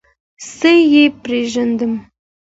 څه یې پرېږدم؟